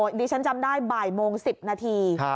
ดิฉันจำได้บ่ายโมง๑๐นาที